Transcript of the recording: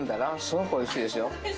すごくおいしいですよ